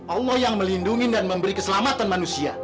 allah yang melindungi dan memberi keselamatan manusia